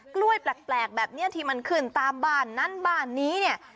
กล้วยแปลกแบบนี้ที่มันขึ้นตามบ้านนั้นบ้านนี้เนี่ย